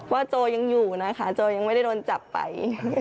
โจยังอยู่นะคะโจยังไม่ได้โดนจับไป